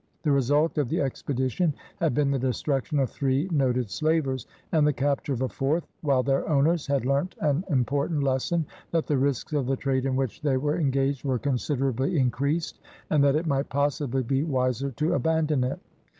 The result of the expedition had been the destruction of three noted slavers, and the capture of a fourth, while their owners had learnt an important lesson, that the risks of the trade in which they were engaged were considerably increased, and that it might possibly be wiser to abandon it.